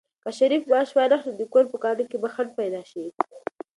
که شریف معاش وانخلي، نو د کور په کارونو کې به خنډ پيدا شي.